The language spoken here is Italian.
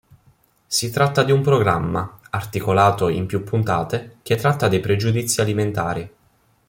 Si tratta di un programma, articolato in più puntate, che tratta dei pregiudizi alimentari.